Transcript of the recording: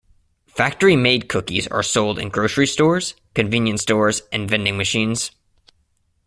Factory-made cookies are sold in grocery stores, convenience stores and vending machines.